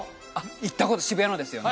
行ったこと渋谷のですよね？